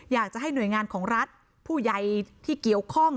อยากจะให้หน่วยงานของรัฐผู้ใหญ่ที่เกี่ยวข้อง